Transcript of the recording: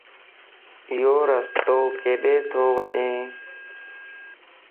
يورستو ڪيڏي تو وڃ؟